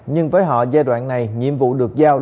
nhưng với họ giai đoạn này nhiệm vụ được giao